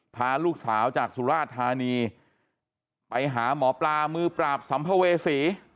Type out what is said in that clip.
พาลูกสาวจากสุราธานีไปหาหมอปลามือปราบสัมภเวษี